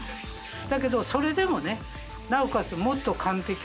だけどそれでもなおかつ。